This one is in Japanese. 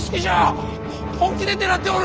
本気で狙っておる！